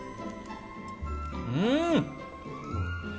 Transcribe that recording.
うん！